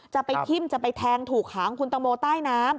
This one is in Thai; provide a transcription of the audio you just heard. จะไปทิ่มจะไปแทงถูกหางคุณตังโมใต้น้ำ